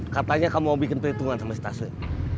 katanya kamu mau bikin perhitungan sama stasiun